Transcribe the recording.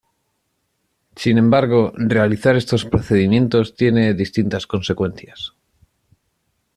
Sin embargo, realizar estos procedimientos tiene distintas consecuencias.